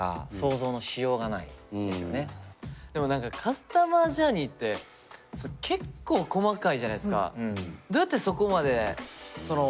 ここのでも何かカスタマージャーニーって結構細かいじゃないですか。